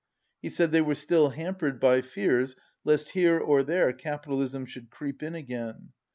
He said they were still hampered by fears lest here or there capitalism should creep in again.